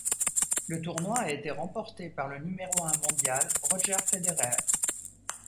Le tournoi a été remporté par le numéro un mondial Roger Federer.